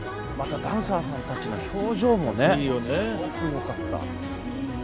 またダンサーさんたちの表情もねすごくよかった。